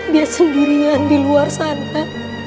dia sendirian di luar sana